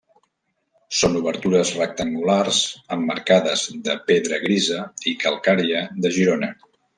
Són obertures rectangulars emmarcades de pedra grisa i calcària de Girona.